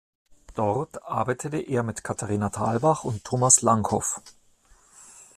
Dort arbeitete er mit Katharina Thalbach und Thomas Langhoff.